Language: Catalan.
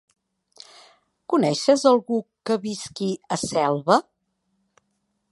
Coneixes algú que visqui a Selva?